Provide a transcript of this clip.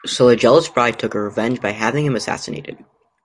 So the jealous bride took her revenge by having him assassinated.